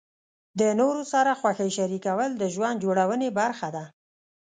د نورو سره خوښۍ شریکول د ژوند جوړونې برخه ده.